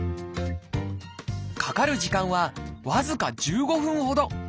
かかる時間は僅か１５分ほど。